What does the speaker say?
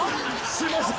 すいません。